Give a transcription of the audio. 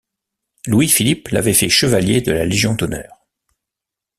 Louis-Philippe l’avait fait chevalier de la Légion d’honneur.